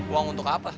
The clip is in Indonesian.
uang untuk apa